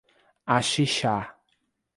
Axixá